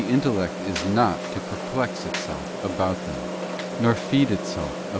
117 intellect is not to perplex itself about them, nor feed itself CHAP, XVI.